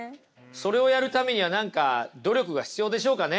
それをやるためには何か努力が必要でしょうかね？